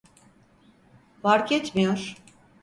Fark etmiyor.